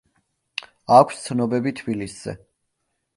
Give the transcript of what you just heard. აქვს ცნობები თბილისზე.